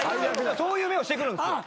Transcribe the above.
そういう目をしてくるんですよ。